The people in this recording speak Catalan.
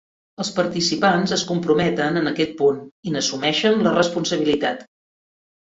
Els participants es comprometen en aquest punt i n'assumeixen la responsabilitat.